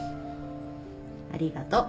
ありがとう